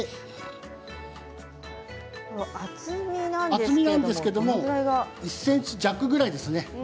厚みなんですけど１ｃｍ弱ぐらいですね。